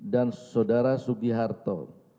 dan saudara subiharto